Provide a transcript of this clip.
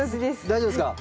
大丈夫ですか？